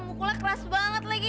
mukulnya keras banget lagi